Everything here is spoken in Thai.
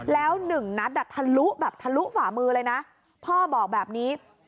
แล้วหนึ่งนัดอ่ะทะลุแบบทะลุฝ่ามือเลยนะพ่อบอกแบบนี้